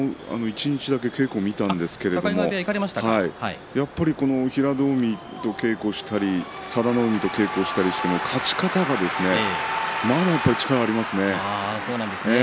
前、稽古を見ましたがやっぱり平戸海と稽古したり佐田の海と稽古したりしても勝ち方が、まだ力がありますね。